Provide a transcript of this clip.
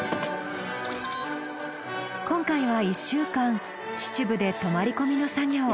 今回は１週間秩父で泊まり込みの作業。